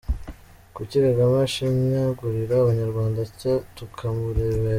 Kuki Kagame ashinyagurira abanyarwanda atya, tukamurebera?